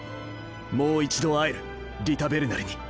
もう一度会えるリタ・ベルナルに。